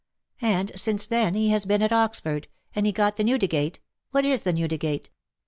And since then he has been at Oxford — and he got the Newdigate — what is the Newdigate?